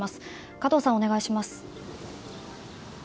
加藤さん、お願いします。